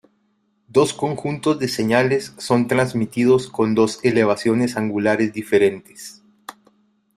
Dos conjuntos de señales son transmitidos con dos elevaciones angulares diferentes.